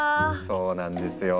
そうなんですよ。